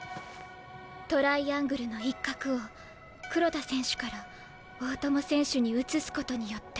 トライアングルの一角を黒田選手から大友選手に移すことによって。